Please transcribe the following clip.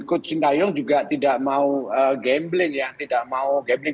coach sintayong juga tidak mau gambling